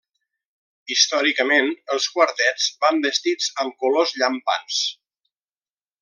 Històricament els quartets van vestits amb colors llampants.